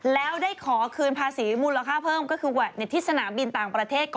แล้วได้ขอคืนภาษีมูลค่าเพิ่มก็คือที่สนามบินต่างประเทศก่อน